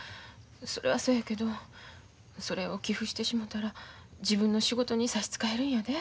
それはそやけどそれを寄付してしもたら自分の仕事に差し支えるんやで。